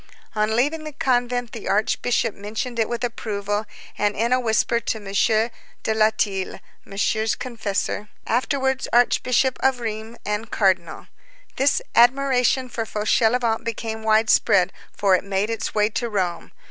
On leaving the convent, the archbishop mentioned it with approval, and in a whisper to M. de Latil, Monsieur's confessor, afterwards Archbishop of Reims and Cardinal. This admiration for Fauchelevent became widespread, for it made its way to Rome.